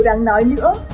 đáng nói nữa